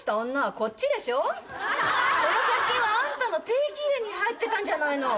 この写真はあんたの定期入れに入ってたんじゃないの。